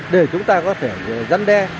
để chúng ta có thể dân đe